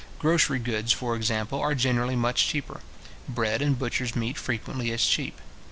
Grocery goods, for example, are generally much cheaper; bread and butchers' meat frequently as cheap.